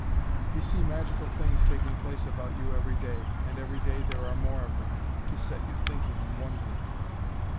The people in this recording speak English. You see magical things taking place about you every day, and every day there are more of them, to set you thinking and wondering.